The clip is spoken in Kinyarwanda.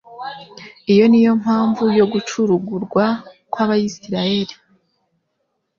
Iyo ni yo mpamvu yo gucurugurwa kw'Abisiraeli.